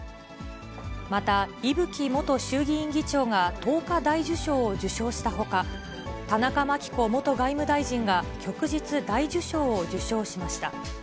また、伊吹元衆議院議長が桐花大綬章を受章したほか、田中真紀子元外務大臣が旭日大綬章を受章しました。